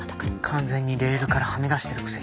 完全にレールからはみ出してるくせに。